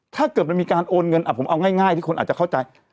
ถ้าเกิดมันมีการโอนเงินผมเอาง่ายที่คนอาจจะเข้าใจ